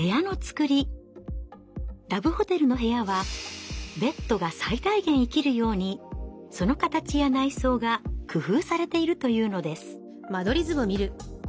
ラブホテルの部屋はベッドが最大限生きるようにその形や内装が工夫されているというのです。